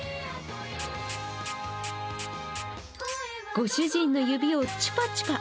ご主人の指をチュパチュパ。